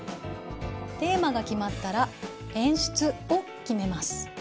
テーマが決まったら演出を決めます。